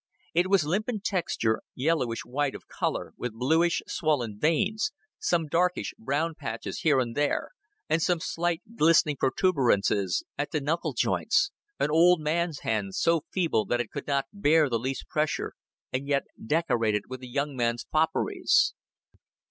It was limp in texture, yellowish white of color, with bluish swollen veins, some darkish brown patches here and there, and slight glistening protuberances at the knuckle joints an old man's hand, so feeble that it could not bear the least pressure, and yet decorated with a young man's fopperies.